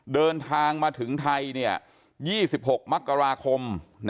เดินทางมาถึงไทย๒๖มกราคม